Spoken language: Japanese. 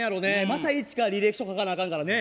また一から履歴書書かなあかんからね。